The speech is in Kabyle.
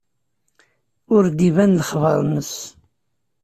Ur d-iban lexbar-nnes.